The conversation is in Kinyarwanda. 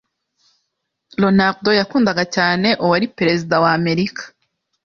Ronaldo yakundaga cyane uwari Perezida wa Amerika